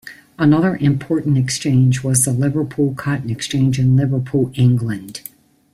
Another important exchange was the Liverpool Cotton Exchange in Liverpool, England.